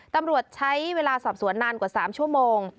ตำรวจใช้เวลาสอบสวนนานกว่า๓ชั่วโมง